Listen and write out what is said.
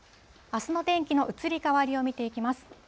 あすの天気の移り変わりを見ていきます。